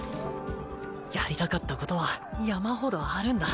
やりたかったことは山ほどあるんだ。